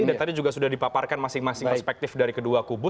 dan tadi juga sudah dipaparkan masing masing perspektif dari kedua kubus